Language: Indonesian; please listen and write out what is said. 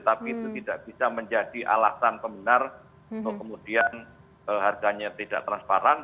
tapi itu tidak bisa menjadi alasan pembinar atau kemudian harganya tidak transparan